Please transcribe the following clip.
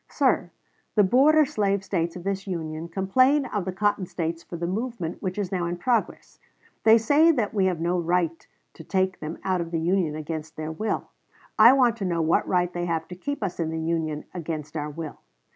Sir, the border slave States of this Union complain of the Cotton States for the movement which is now in progress. They say that we have no right to take them out of the Union against their will. I want to know what right they have to keep us in the Union against our will.